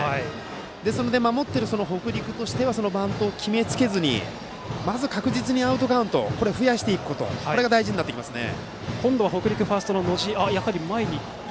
なので、守っている北陸としてはバントと決め付けずに確実にアウトカウントを増やしていくことが大事になってきますね。